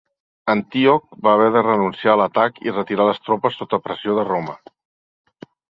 Antíoc va haver de renunciar a l'atac i retirar les tropes sota pressió de Roma.